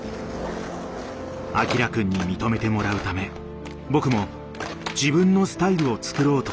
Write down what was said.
アキラくんに認めてもらうため僕も自分のスタイルを作ろうと